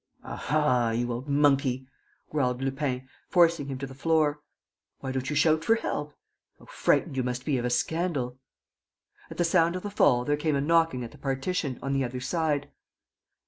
"Aha, you old monkey!" growled Lupin, forcing him to the floor. "Why don't you shout for help? How frightened you must be of a scandal!" At the sound of the fall there came a knocking at the partition, on the other side.